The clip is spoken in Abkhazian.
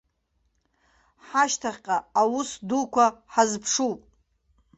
Ҳашьҭахьҟа аус дуқәа ҳазԥшуп.